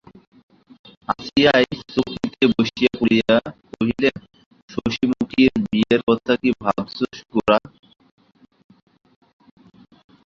আসিয়াই চৌকিতে বসিয়া পড়িয়া কহিলেন, শশিমুখীর বিয়ের কথা কী ভাবছ গোরা?